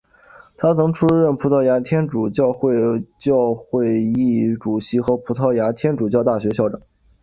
他曾出任葡萄牙天主教主教会议主席和葡萄牙天主教大学校长。